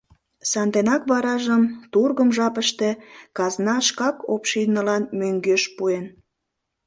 Санденак варажым, тургым жапыште, казна шкак общинылан мӧҥгеш пуэн.